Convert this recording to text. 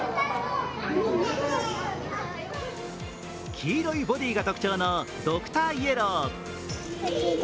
黄色いボディが特徴のドクターイエロー。